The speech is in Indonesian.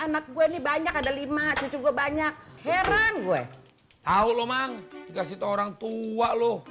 anak gue nih banyak ada lima cucu banyak heran gue tahu lo mang kasih orang tua lu